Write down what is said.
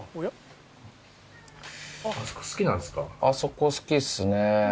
あそこ好きですね。